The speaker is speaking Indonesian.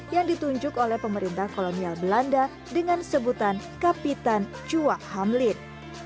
yang ditunjuk oleh pemerintah kolonial belanda dengan sebutan kapitan chua hamlin